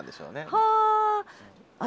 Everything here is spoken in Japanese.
はあ。